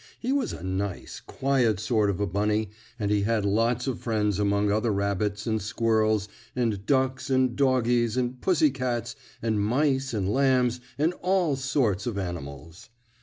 He was a nice, quiet sort of a bunny, and he had lots of friends among other rabbits, and squirrels, and ducks, and doggies, and pussy cats, and mice and lambs, and all sorts of animals.